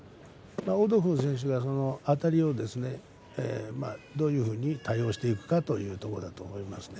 オドフー選手がその辺りをどういうふうに対応していくかというところだと思いますね。